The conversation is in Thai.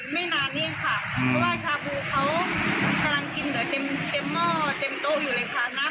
น้ำก็ไม่รสชักนิดนึงเลยค่ะ